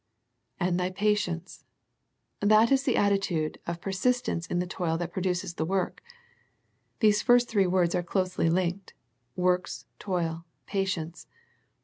" And thy patience," that is the attitude of persistence in the toil that produces the work. These first three words are closely linked,— "works, toil, patience."